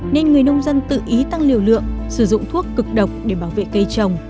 nên người nông dân tự ý tăng liều lượng sử dụng thuốc cực độc để bảo vệ cây trồng